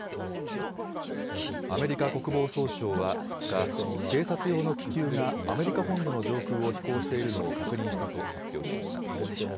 アメリカ国防総省は２日、偵察用の気球がアメリカ本土の上空を飛行しているのを確認したと発表しました。